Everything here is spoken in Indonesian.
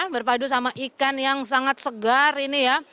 berpadu sama ikan yang sangat segar ini ya